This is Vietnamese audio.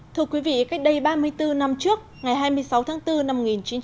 thưa quý vị cách đây ba mươi bốn năm trước ngày hai mươi sáu tháng bốn năm một nghìn chín trăm bảy mươi